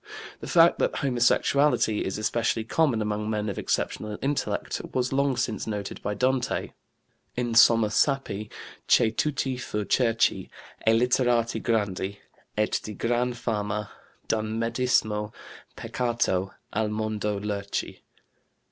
The fact that homosexuality is especially common among men of exceptional intellect was long since noted by Dante: "In somma sappi, che tutti fur cherci E litterati grandi, et di gran fama D'un medismo peccato al mondo lerci."